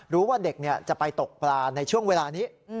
ว่าเด็กจะไปตกปลาในช่วงเวลานี้